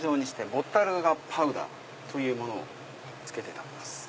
ボッタルガパウダーというものをつけて食べます。